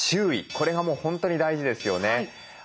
これがもう本当に大事ですよね。